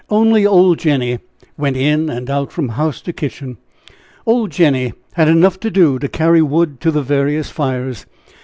Only old Jenny went in and out from house to kitchen, Old Jenny had enough to do to carry wood to the various fires.